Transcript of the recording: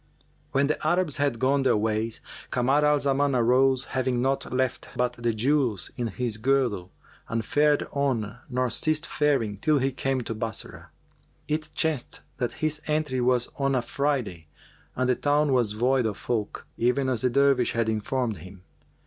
When the Arabs had gone their ways, Kamar al Zaman arose, having naught left but the jewels in his girdle, and fared on nor ceased faring till he came to Bassorah. It chanced that his entry was on a Friday and the town was void of folk, even as the Dervish had informed him.